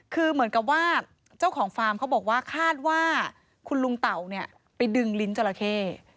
คือเหมือนกับว่าเจ้าของฟาร์มเขาบอกว่าคาดว่าคุณลุงเต่าเนี่ยไปดึงลิ้นจราเข้